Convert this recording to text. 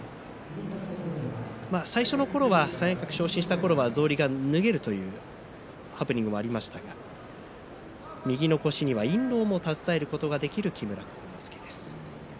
最初のころは三役格昇進したころは草履が脱げるハプニングもありましたが右の腰には印籠を携えることができます。